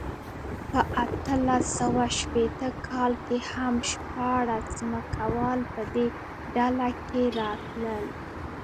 په اتلس سوه شپېته کال کې هم شپاړس ځمکوال په دې ډله کې راتلل.